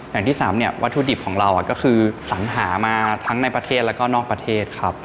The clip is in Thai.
อย่างที่สามเนี่ยวัตถุดิบของเราก็คือสัญหามาทั้งในประเทศแล้วก็นอกประเทศครับ